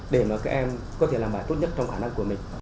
để mà các em có thể làm bài tốt nhất trong khả năng